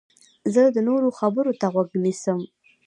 زه د نورو خبرو ته غوږ نیسم.